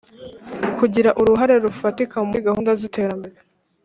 Kugira uruhare rufatika muri gahunda z iterambere